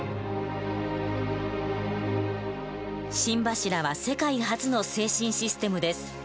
心柱は世界初の制震システムです。